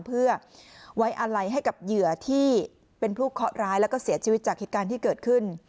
เพื่อไว้อาลัยให้กับเหยื่อที่เป็นผู้เคาะร้ายแล้วก็เสียชีวิตจากเหตุการณ์ที่เกิดขึ้น